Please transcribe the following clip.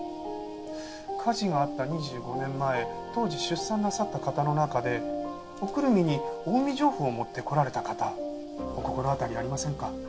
火事があった２５年前当時出産なさった方の中でおくるみに近江上布を持ってこられた方お心当たりありませんか？